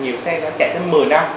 nhiều xe nó chạy trên một mươi năm